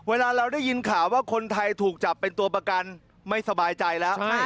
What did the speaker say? เวลาเราได้ยินข่าวว่าคนไทยถูกจับเป็นตัวประกันไม่สบายใจแล้ว